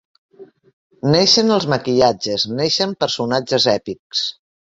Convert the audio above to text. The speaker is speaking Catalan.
Neixen els maquillatges, neixen personatges èpics.